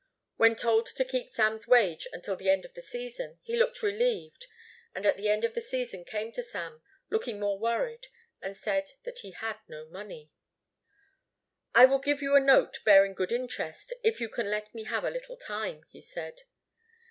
When told to keep Sam's wage until the end of the season he looked relieved and at the end of the season came to Sam, looking more worried and said that he had no money. "I will give you a note bearing good interest if you can let me have a little time," he said.